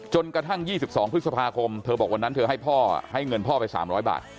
จนกระทั่ง๒๒พฤษภาคมเธอบอกวันนั้นเธอให้พ่อให้เงินพ่อไป๓๐๐บาท